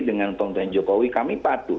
dengan pemerintahan jokowi kami patuh